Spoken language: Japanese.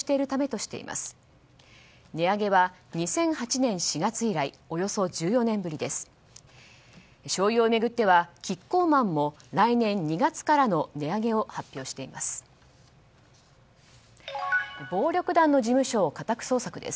しょうゆを巡ってはキッコーマンも来年２月からの値上げを発表しています。